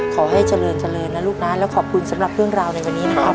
ขอให้เจริญเจริญนะลูกนะแล้วขอบคุณสำหรับเรื่องราวในวันนี้นะครับ